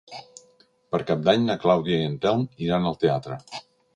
Per Cap d'Any na Clàudia i en Telm iran al teatre.